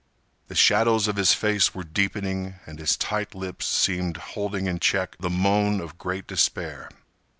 The shadows of his face were deepening and his tight lips seemed holding in check the moan of great despair.